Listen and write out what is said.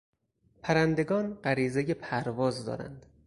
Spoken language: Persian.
پرندگان غریزهی پرواز دارند.